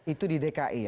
itu di dki ya